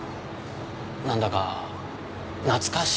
なんだか懐かしいような。